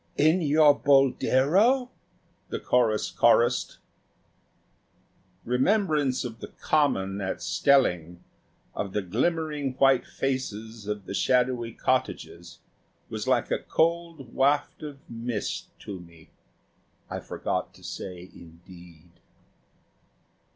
"In your 'Boldero?'" the chorus chorussed. Remembrance of the common at Stelling of the glimmering white faces of the shadowy cottages was like a cold waft of mist to me. I forgot to say "Indeed!"